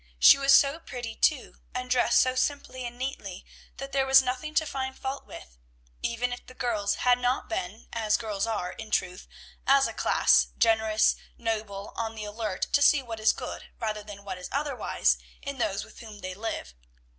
She was so pretty, too, and dressed so simply and neatly, that there was nothing to find fault with, even if the girls had not been, as girls are, in truth, as a class, generous, noble, on the alert to see what is good, rather than what is otherwise, in those with whom they live.